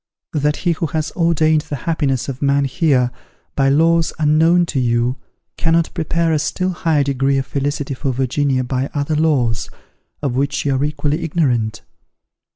that he who has ordained the happiness of man here, by laws unknown to you, cannot prepare a still higher degree of felicity for Virginia by other laws, of which you are equally ignorant?